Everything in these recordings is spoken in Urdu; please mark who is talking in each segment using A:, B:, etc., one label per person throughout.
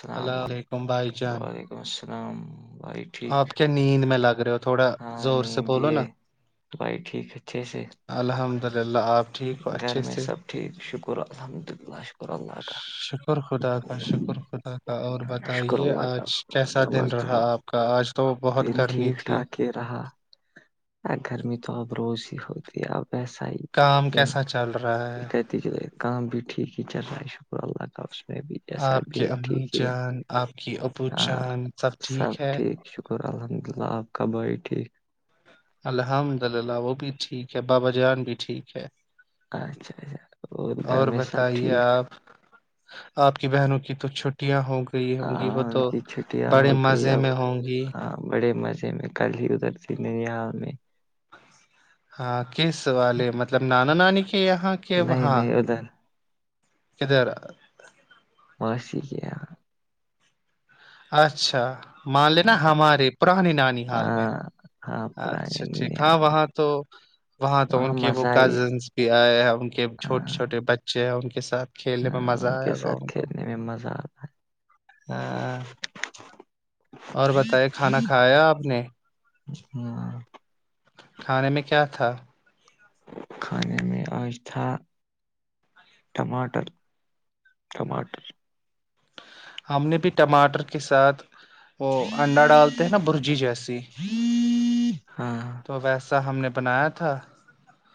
A: السلام عل
B: علیکم بھائی جان
A: وعلیکم السلام وم
B: آپ کے نیند میں لگ رہے ہو تھوڑا
A: ہاں
B: زور سے
A: نیند
B: بولو نا
A: یہ بھائی ٹھیک اچھے سے
B: الحمد للہ آپ ٹھیک ہو
A: گھر
B: اچھے
A: میں
B: سے
A: سب ٹھیک شکر الحمد للہ شک اللہ کا
B: شکر خدا کا شکر خدا کا اور بتائیے آج کیسا دن رہا آپ کا آج تو
A: پ
B: بہت گرمی
A: ٹھیک
B: تھی
A: ٹاک رہا ا گرمی تو اب روز ہی ہوتی اب ایسا ہی
B: کام کیسا چل رہا ہے
A: کہتی کام بھی ٹھیک ہی چل رہا ہے شکر اللہ کاف اس میں بھی جیسا
B: آپ
A: ب بھی
B: کی
A: ہے ٹھیک
B: امی
A: ہے
B: جان آپ کی اپبو جان سب ٹھیک ہے
A: ٹ شکر الحمد للہ آب خباب ٹھیک
B: الحمد للہ وہ بھی ٹھیک ہے بابا جان بھی ٹھیک ہے
A: اچھا اچھا اور گھر میں سب
B: بتائیے
A: ٹھیک
B: آپ آپ کی بہنوں کی تو چھٹیاں ہوگی گئی ہوں گی
A: ہاں
B: وہ
A: ان
B: تو
A: کی چھٹیاں
B: بڑے
A: ہو گئی
B: مزے
A: اب
B: میں ہوں گی
A: ہاں بڑے مزے میں کل ہی ادھر پھرنے یہاں میں
B: ہاں کی سوال ہے مطلب نانا نانی کے یہاں کے
A: نہیں
B: وہاں
A: نہیں ادھر
B: ادھر
A: ماسی گ
B: اچھا مان لے نا
A: ہاں
B: ہمارے پرانی نانی حال میں
A: ہاں ہاں پرانے
B: اچھا ٹھیک ہاں
A: ننیال
B: وہاں تو وہاں تو ان کے وہ
A: مزہ ہی ہے،
B: کزنس بھی آئے ہیں ان کے چھوٹے
A: ہاں
B: چھوٹے بچے ہیں ان کے ساتھ کھیلنے میں
A: ہاں
B: مزہ
A: ان کے
B: آیا
A: ساتھ
B: گاؤں گاؤں
A: کھیلنے میں مزہ آتا
B: ہاں اور بتے کھانا کھایا آپ نے
A: ج
B: کھانے میں کیا تھا
A: کھانے میں آج تھا ٹماٹر ٹماٹر
B: ہم نے بھی ٹماٹر کے ساتھ وہ انڈا ڈالتے ہیں نا برجی جیسی
A: [inaudible] ہاں
B: تو ویسا ہم نے بنایا تھا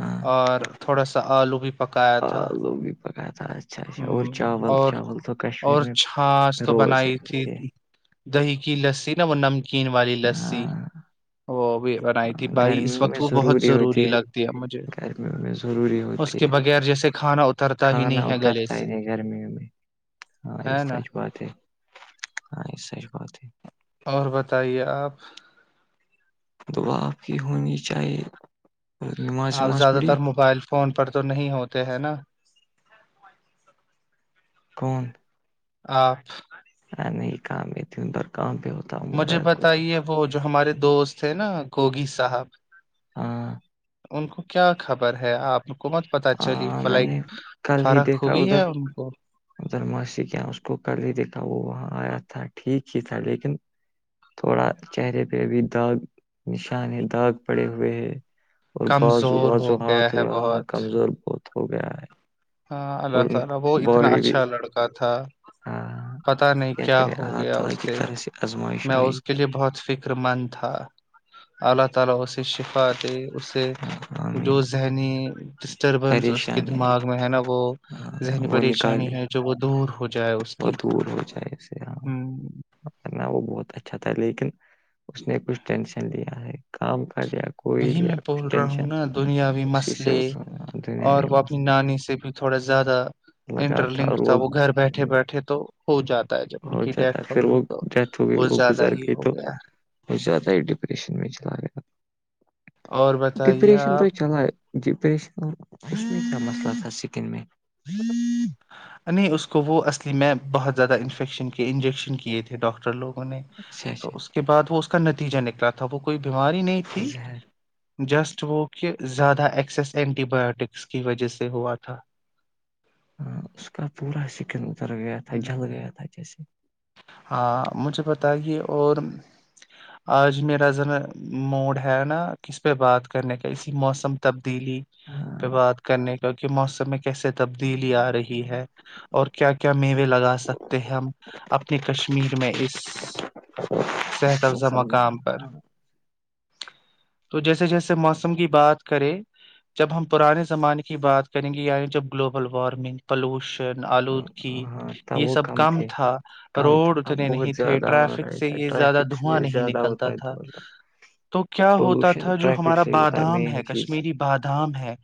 A: ہاں
B: اور تھوڑا سا آلو بھی پکایا تھا
A: آلوگ بھی پکایا تھا اچھا اچھا اور
B: ہ
A: چاول
B: اور
A: چاول تو کشمیر
B: اور
A: میں
B: چھاچھ تو
A: روز ہیں
B: بنائی تھی
A: ا
B: دہی کی لسی نہا وہ نمکین والی لسی
A: ہاں
B: وہ بھی بنائی تھی بھائی اس
A: گرمیوں میں
B: وقت وہ بہت ضروری
A: ہوتے
B: لگتی ہے اب مجھے
A: گرمیوں میں ضروری
B: اس
A: ہوتی
B: کے
A: ہے
B: بغیر جیسے کھانا اترتا ہی
A: کھانا
B: نہیں ہے گلے
A: اترتا
B: سے
A: ہی نہیں گرمیوں میں ہاں یہ
B: ہے نا
A: سچ بات ہے ہاں یہ سچ بات ہے
B: اور بتائیے آپ
A: دعا آپ کی ہونی چاہے نماز
B: آپ
A: وماز
B: زیادہ
A: پڑی
B: تر موبائل فون پر تو نہیں ہوتے ہیں نا
A: کون
B: آپ
A: نہیں کام ہے دون در کام بھیہ ہوتا ہوں
B: مجھے
A: موبائل کو کیا۔
B: بتائیے وہ جو ہمارے دوست ہیں نا گوگی صاحب
A: ہاں
B: ان کو کیا خبر ہے آپ حکومت پتہ چلی
A: ہاں میں
B: فلک
A: نے
B: فرق ہوئی ہے ان کو
A: ا درماسی کے اس کو کل ہی دیکھا وہ وہاں آیا تھا ٹھیک ہی تھا لیکن تھوڑا چہرے پہ بھی داغ نشان ہے داغ پڑے ہوئے ہے اور بازو
B: کمزور ہو گیا ہے
A: وازوہاتاں
B: بہت
A: کمزور بہت ہو گیا ہے
B: اللہ
A: اور ان
B: تعالی وہ اتنا
A: باڈی بھی
B: اچھا لڑکا تھا
A: آہ،
B: پتا نہیں کیا
A: کرے
B: ہو
A: اللہ
B: گیا اس
A: تعالی کی
B: سے
A: طرح آزمائش
B: میں
A: آئی
B: اس کے لیے بہت فکر مند تھا اللہ تعالی اسے شفاع فادے سے
A: آہ، آمین
B: جو ذہنی ڈسٹربنس اس کے دماغ میں ہے نا وہ
A: آہ،
B: ذہنی
A: وہ
B: پریشانی
A: نکالے
B: ہے جو وہ دور ہو جائے اس
A: وہ
B: کی
A: دور ہو جائے سے ہاں
B: ہم،
A: کرنا وہ بہت اچھا تھا لیکن اس نے کچھ ٹینشن لیا ہے کام کر ل
B: وہی میں بول رہا ہوں نا دنیاوی
A: اسی سے
B: مسئلے
A: آہ،
B: اور
A: دنیاوی
B: وہ اپنی
A: مسئلہ
B: نانی سے بھی تھوڑا زیادہ انٹر لنکڈ تھا وہ گھر بیٹھے بیٹھے تو ہو جاتا ہے جب ان
A: ہو
B: کی
A: جاتا
B: ڈیتھ ہو
A: پھر وہ
B: گئی تو
A: ڈیتھ ہو گئی
B: وہ زیادہ
A: گزر
B: ہی
A: گئی
B: ہو
A: تو
B: گیا
A: زیادہ ہی ڈپریشن میں چلا گیا
B: اور بتائیے
A: ڈپریشن تو
B: آپ
A: ہی چلا ڈپریشننے کا مسئلہ تھا سکن میں
B: نہیں اس کو وہ اصلی میں بہت زیادہ انفیکشن کی انجیکشن کیے تھے ڈاکٹر لوگ
A: اچھا
B: تو
A: اچھا
B: اس کے بعد وہ اس کا نتیجہ نکلا تھا وہ کوئی بیماری نہیں تھی
A: زہر
B: جسٹ وہ کہ زیادہ ایکسیس اینٹی بایوٹکس کی وجہ سے ہوا تھا
A: ہاں اس کا پورا سکن اتر گیا تھا
B: ہوں
A: جل گیا تھا جیسے
B: ہاں مجھے بتائیے اور آج میرا ذرا موڈ ہے نا کس پہ بات کرنے کا اسسی موسم تبدیلی
A: ہاں
B: پہ بات کرنے کیکہ موسم میں کیسے تبدیلی آ رہی ہے اور کیا کیا میوے لگا سکتے ہیں ہم اپنے کشمیر میں اس صحت افزہ
A: موسم
B: مقام پر
A: ہاں
B: تو جیسے جیسے موسم کی بات کریں جب ہم پرانے زمانے کی بات کریں گے یعنی جب گلوبل وارمنگ پلوشن
A: ہاں
B: آلودگی
A: ہاں، تھا
B: یہ
A: وہ
B: سب
A: کم
B: کام
A: تھے
B: تھا
A: کم تھا
B: روڈ
A: اب
B: اتنے نہیں
A: بہت
B: تھے
A: زیادہ ہو
B: ٹریفک
A: رہا
B: سے
A: تھا
B: یہ زیادہ
A: ٹریفک
B: دھواں
A: سے
B: نہیں
A: زیادہ ہوتا
B: نکلتا
A: ہے
B: تھا
A: تو
B: تو کیا ہوتا
A: پولوشن
B: تھا جو
A: ٹریفک
B: ہمارا
A: سے ہی ہوتا
B: بادام ہے
A: مین چیز
B: کشمییر بادام ہے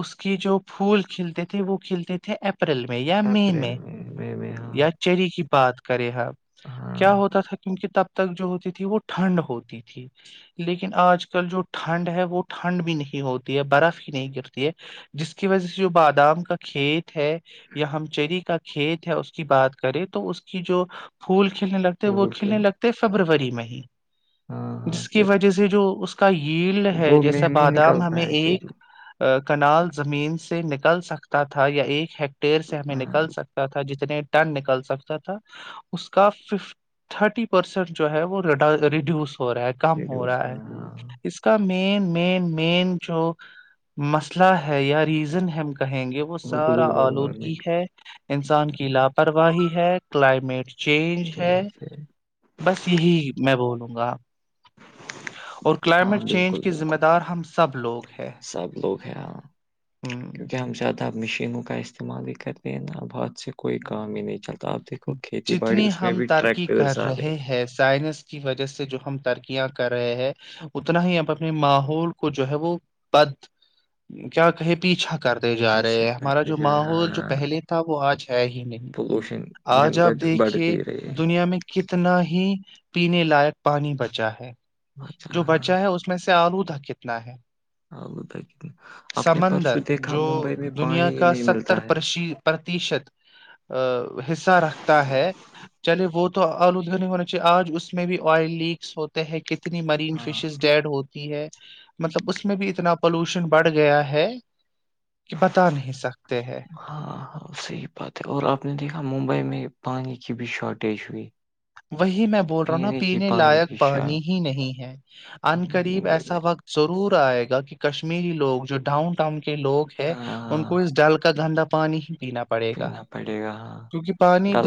B: اس کے جو پھول کھلتے تھے وہ کھلتے تھے اپ اپریل میں یا مئی
A: اپریل
B: میں
A: مئی میں ہاں
B: یا چری کی بات کریں آ
A: ہاں
B: کیا ہوتا تھا کیونک تب تک جو ہوتی تھی وہ ٹھنڈ ہوتی تھی لیکن آج کل جو ٹھنڈ ہے وہ ٹھنڈ بھی نہیں ہوتی ہے برف ہی نہیں گرتی ہے جس کی وجہ سے جو بادام کا کھیت ہے یا ہم چری کا کھیت ہے اس کی بات کریں تو اس کی جو پھول کھلنے لگتا وہ
A: بول کے
B: کھیلنے لگتے فیبروری میں ہی
A: ہاں ہاں
B: جس کی
A: پھر
B: وجہ سے جو اس کو کا ل ہے
A: وہ
B: جیسا
A: مئی میں
B: بادام ہمیں
A: نکلتا ہے چری
B: ایک کنال زمین سے نکل سکتا تھا یا ایک ہیٹئر سے ہمیں
A: ہاں
B: نکل سک تھا جتنے ٹن نکل سکتا تھا اس کا فف تھرٹی پرسینٹ جو ہے وہ ریڈیوس ہو رہا ہے کم ہو
A: ریڈیوس
B: رہا ہے
A: ہاں
B: اس کا مین مین مین جو مسئلہ ہے یا ریزن ہم کہیں گے وہ سارا
A: گلوبل
B: آلودگی
A: وارمنگ
B: ہے انسان کی لاپرواہی ہے کلائمیٹ چینج ہے بس یہی میں بولوں گا اور
A: ہاں
B: کلائمیٹ چینج
A: بالکل
B: کے ذمہ
A: بالکل آ
B: دار ہم سب لوگ ہیں
A: سب لوگ ہیں ہاں
B: ہ
A: کیونکہ ہم زیادہ ا مشینوں کا استعمال ہی کر رہ ہیں نا اب ہاتاد سے کوئی کام ہی
B: ہوں
A: نہیں چلتا آپ دیکھو کھیتی باڑی اس میں بھی ٹریکٹرس آ رہے
B: ہے سائنس کی وجہ سے جو ہم ترکیاں کر رہے ہیں اتنا ہی ا اپنے ماحول کو جو ہے وہ بد کیا کہے پیچھا کرتے جا رہے
A: پیچھا
B: ہیں ہمارا
A: کرتے
B: جو
A: جا
B: ماحول جو
A: رہا،
B: پہلے تھا وہ آج ہے ہی نہیں
A: پولوشن
B: آج
A: دن ب
B: آپ
A: دن
B: دیکھیے
A: بڑھتی رہی ہے
B: دنیا میں کتنا ہی پینے لائق پانی بچا ہے
A: اچھا
B: جو
A: ہاں
B: بچا ہے اس اس میں سے آلودہ کتنا ہے
A: آلودہ کتنا آپ نے
B: سمندر
A: پرسوں دیکھا
B: جو
A: ممبئی میں
B: دنیا
A: پانی ہی
B: کا
A: نہیں
B: ستر
A: ملتا ہے
B: پرسی پرتیشت ا حصہ رکھتا ہے چلے وہ تو آلودہونی ہونا چاہیے آج اس میں بھی آئل لیکس ہوتے ہیں کتنے اتنی مرین
A: ہاں
B: فشیز ڈیڈ ہوتی ہے مطلب اس میں بھی اتنا پولوشن بڑھ گیا ہے کہ بتا نہیں سکتے ہیں
A: ہاں ہاں صحیح بات ہے اور آپ نے دیکھا ممبئی میں پانی کی بھی شارٹیج ہوئی
B: وہی میں بول رہا ہوں ن
A: کی
B: پینے لائق
A: کی شا
B: پانی ہی نہیں ہے ان قریب
A: ممبئی
B: ایسا
A: میں
B: وقت ضرور آئے گا کہ کشمیری لوگ جو ڈاؤن ٹاؤن کے لوگ ہے ان کو
A: ہاں
B: اس ڈال کا گھندا پانی ہی پینا پ
A: پینا پڑے گا ہاں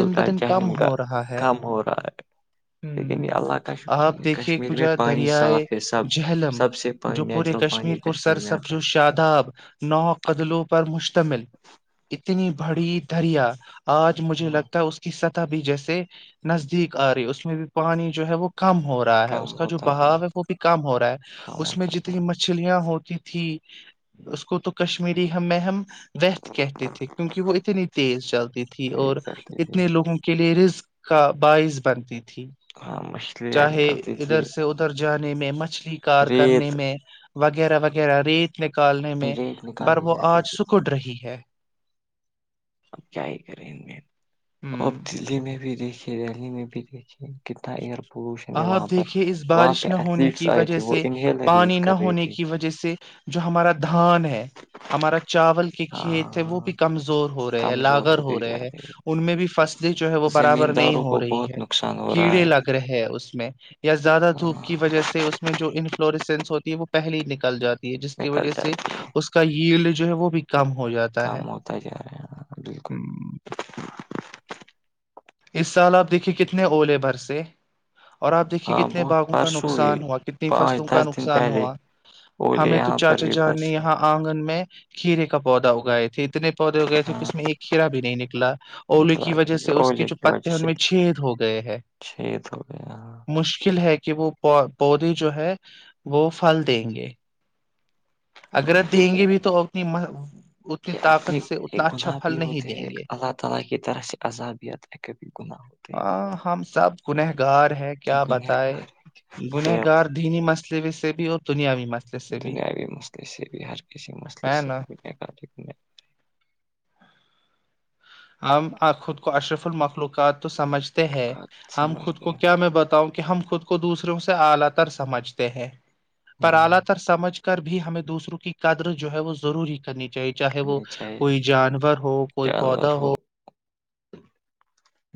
B: دن
A: ہے
B: بدن کم
A: جہلیم کا
B: ہو رہا ہے
A: کام ہو رہا ہے لیکن یہ
B: ہوں
A: اللہ کا
B: آپ
A: شکریہ
B: دیکھیے
A: کشمیر میں
B: کجا
A: پانی صاف
B: دریائے
A: ہے سب
B: جہلم
A: سب سے
B: جو پورے
A: نیچرل پانی
B: کو
A: کشمیر میں
B: سرسبز
A: آتا ہے
B: و شاداب نو قدلوں پر مشتمل اتنی بڑی دریا آج مجھے لگتا ہے اس کی سطح بھی جیسے نزدیک آ رہی ہے اس میں بھی پانی جو ہے وہ کم ہو رہا رہا ہے اس
A: کم
B: کا جو
A: ہوتا جا
B: بہاؤ
A: رہا،
B: ہے وہ بھی کم ہو رہا ہے
A: کم
B: اس میں
A: ہوتا جا
B: جتنی مچھر چھلیاں ہوتی تھی اس کو تو کشمیری ہم ہم ویت کہتے
A: رہا۔
B: تھے کیونکہ وہ اتنی تیز چلتی تھی
A: تو یہ
B: اور
A: چلتی تھی
B: اتنے لوگوں کلریز کا بعث بنتی تھی
A: ہاں مچھلیاں
B: چاہے
A: نکلتی تھی
B: ادھر سے ادھر جانے میں مچھلی کار کرنے
A: ریت
B: میں وغیرہ وغیرہ ریت نکالنے میں
A: ریت
B: پر
A: نکالی
B: وہ
A: جاتی
B: آج
A: تھی
B: سکڑ رہی ہے
A: اب کیا ہی کریں ان میں اور اب
B: ہوں
A: دلی میں بھی دیکھے دہلی میں بھی دیکھیے کتنا ایئر پولوشن ہے
B: آپ
A: وہاں پر
B: دیکھیے اس
A: وہاں
B: بارش
A: پہ
B: نہ ہونے
A: ایتھلیٹس
B: کی
A: آئے
B: وجہ
A: تھے وہ
B: سے
A: انہیلر
B: پانی
A: یوز
B: نہ
A: کر رہے
B: ہونے
A: تھے
B: کی وجہ سے جو ہمارا دھان ہے ہمارا چاول کھیت ہے وہ
A: ہاں
B: بھی کمزور ہو رہے ہیں
A: کمزور
B: لاگر ہو
A: ہوتے
B: رہے
A: جا
B: ہیں ان میں بھی فصل جو ہے وہ برابر نہیں
A: زمینداروں
B: ہو
A: کو
B: رہی
A: بہت
B: ہے
A: نقصان ہو رہا
B: کیڑے
A: ہے
B: لگ رہے ہیں اس میں یا زیادہ دھوپ کی
A: ہاں
B: وجہ سے اس میں جو انفلوریسنس ہوتی ہے وہ پہلے نکل جاتی جس کی
A: نکل
B: وجہ سے
A: جاتی ہے
B: اس کا ایلڈ جو ہے وہ بھی کم ہو جاتا
A: کام
B: ہے
A: ہوتا ہی جا رہا ہیں بالکل
B: ہوں، اس سال آپ دیکھیے کتنے اولے بھر سے اور آپ دیکھیے
A: ہاں
B: کتنے
A: بہت
B: باغوں کا
A: پرسوں ہی
B: نقصان ہوا کتنی
A: پانچ
B: فصلوں کا
A: دس دن
B: نقصان
A: پہلے
B: ہوا
A: اولے
B: ہمیں تو
A: یہاں پر
B: چاچا
A: بھی
B: جان نے
A: پرسی
B: یہاں آنگن میں کھیرے کا پودا اگائے تھے اتنے پودے ہو گئے تھے کہ
A: ہاں
B: اس میں ایک کھیرا بھی نہیں نکلا الیے
A: نکلا
B: کی وجہ سے
A: کیونکہ
B: اس کی
A: اولے
B: جو پتے
A: وجہ
B: ان
A: سے
B: میں چھید ہو گئے ہیں
A: شہید ہو گیا ہاں
B: م مشکل ہے کہ وہ پودے جو ہے وہ پھل دیں گے اگر دیں گے بھی تو انی اتنی
A: یہ
B: طاقت سے اتنا اچھا پھل نہیں دیں گے
A: اللہ تعالی کی طرف سے عذابیت پہ کبھی ہیں
B: ہاں ہم سب گنہگار ہے کیا
A: گنہ
B: بتائے
A: گار ہے،
B: گنہگار دینی مسئے سے بھی اور دنیاوی مس
A: دنیاوی مسئلے سے ب ہر کسی مسئلے
B: ہے
A: سے
B: نا
A: دنیا کا
B: ہم خود کو اشرف المخلوقات تو سمجھتے ہیں
A: گار
B: ہم خود کو
A: سمجھتے ہیں
B: کیا میں بتاؤں کہ ہم خود کو دوسروں سے اعلی تر سمجھتے ہیں پر اعلی
A: ہاں
B: تر سمجھ کر بھی ہمیں دوسروں کی قدر جو ہے وہ ضروری کرنی چاہیے چاہے وہ
A: چاہیے
B: کوئی جانور ہو کوئی پود
A: جانور ہو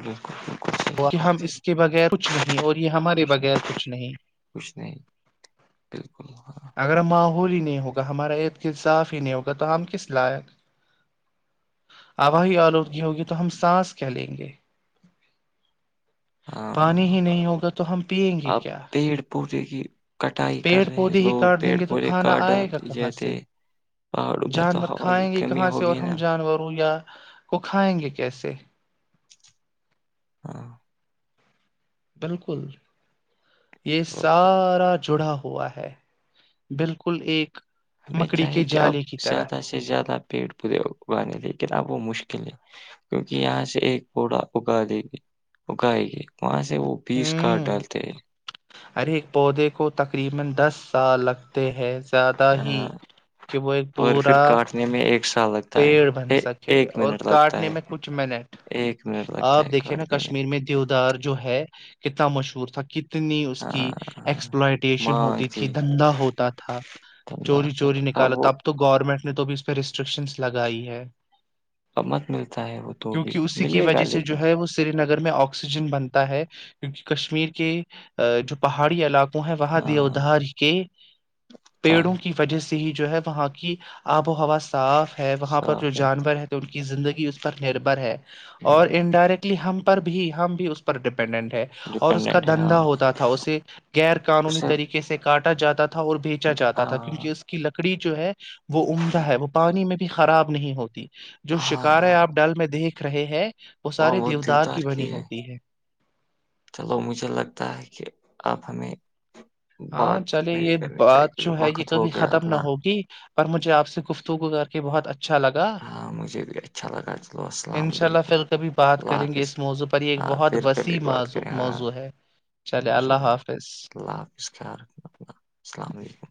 A: بالکل صحیح
B: یہ ہم
A: بات ہے
B: اس کے بغیر کچھ نہیں اور یہ ہمارے
A: کچھ نہیں
B: بغیر کچھ نہیں
A: کچھ نہیں بالکل ہاں
B: اگر ماحول ہی نہیں ہوگا ہمارا ار کےصاف ہی نہیں ہوگا تو ہم کس لائق آوی آلودگی ہوگی تو ہم سانس کیا لیں گے پانی ہی
A: ہاں
B: نہیں ہوگا تو ہم پیئیں گے کیا
A: پورورے کی کٹائی کر
B: پیڑ
A: رہے
B: پودے ہی
A: لوگ
B: کاٹ
A: پیڑ
B: دیں گے تو
A: پودے کا
B: کھانا آئے
A: ڈال
B: گا کہاں
A: جتے
B: سے
A: پہاڑوں میں تو
B: جانور
A: ہوا کی
B: کھائیں گے
A: کمی ہوگی نا
B: وہ کھائیں گے کیسے
A: ہوں
B: بالکل یہ
A: تو
B: سارا جڑا ہوا ہے بالکل ایک
A: ہمیں
B: مکڑی
A: چاہیے
B: کے
A: کہ اب
B: جالے کی طرح
A: زیادہ سے زیادہ پیٹ پے اگیں لیکن اب وہ مشکل ہے کیونکہ یہاں سے ایک پودحا اگا دے گی اگائے گی وہاں سے سے وہ بیس کاٹ ڈالتے ہیں
B: ہر ایک بہت ہی کو تقریبا دس سال لگتے ہیں زیادہ ہی
A: ہاں،
B: کہ وہ ایک پورا
A: نہیں میں ا ایک سالک
B: پیڑ بن سکے اور کاٹنے
A: ہے
B: میں کچھ منٹ
A: ایک منٹ لگتا
B: آپ
A: ہے
B: دیکھے نا
A: کاٹنے
B: کشمیر میں ودار جو ہے کتنا مشہور تھا اتنی اس کی
A: ہاں ہاں
B: ایکسپلائٹیشن ہوتی تھی دھندا ہوتا تھا
A: دھندا
B: چوری
A: آتا
B: چوری
A: تھا
B: نکالا
A: وہ
B: اب تو گورنمنٹ نے تو بھی اس پہ ریسٹرکشنس لگائی ہے
A: اور مت ملتا ہے وہ تو بھی
B: کیونکہ اسی کی
A: ملے گا
B: وجہ سے
A: لیکن
B: جو ہے وہ سری نگر میں آکسیجن بنتا ہے کیونکہ کشمیر کے جو پہاڑی علاقوں ہیں وہاں دییا
A: ہاں
B: ادھار کے
A: تا
B: پیڑوں
A: ہے
B: کی وجہ سے ہی جو ہے وہاں کی آب و ہوا ساف ہے وہاں پر جو
A: صاف رہتے
B: جانور ہے تو ان کی زندگی اس پر نربر ہے اور انڈائریکٹ لیے ہم پر بھی ہم بھی اس پر ڈیپینڈنٹ ہیں اور اس کا
A: ڈپینڈنٹ ہے ہاں
B: دھندا ہوتا تھا اسے غیر قانونی
A: اسے
B: طریقے سے کاٹا جاتا تھا اور بیچا جاتا تھا
A: ہاں
B: کیونکہ اس کی لکڑی جو ہے وہ عمدہ ہے وہ پانی میں خراب نہیں ہوتی جو شکاریں
A: ہاں
B: آپ ڈل میں دیکھ رہے ہیں وہ سارے دیودار کی بنی ہوتی ہے
A: چلو مجھے لگتا ہے کہ آپ ہمیں
B: ہاں
A: بات
B: چلے
A: نہیں
B: یہ
A: کرنی چاہیے
B: بات جو
A: کیونکہ
B: ہے یہ
A: وقت ہو
B: کبھی
A: گیا
B: ختم نہ
A: اپنا
B: ہوگی پر مجھے آپ سے گفتوگو کر کے بہت اچھا لگا
A: ہاں مجھے بھی اچھا لگا چلو السلام
B: انشاء اللہ
A: علیکم
B: پھر کبھی بات
A: اللہ
B: کریں گے
A: حافظ
B: اس موضوع پر یہ ایک
A: ہاں
B: بہت
A: پھر کبھی
B: وسیع
A: بات
B: مضوع
A: کریں ہاں
B: موضوع ہے چلے
A: موضوع
B: اللہ
A: ہے
B: حافظ
A: اللہ حافظ السلام علیکم